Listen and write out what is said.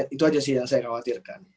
itu aja sih yang saya khawatirkan